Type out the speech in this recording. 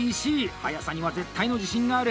速さには絶対の自信がある！